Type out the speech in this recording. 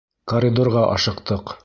Коридорға ашыҡтыҡ.